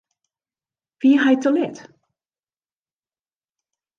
Wie hy te let?